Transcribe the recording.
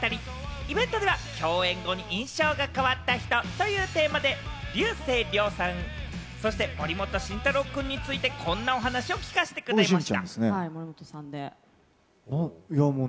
イベントでは、共演後に印象が変わった人というテーマで竜星涼さん、そして森本慎太郎くんについて、こんなお話を聞かせてくれました。